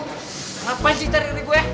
kenapaan sih tari tari gue